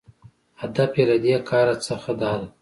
هدف یې له دې کاره څخه داده